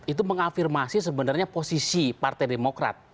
itu mengafirmasi sebenarnya posisi partai demokrat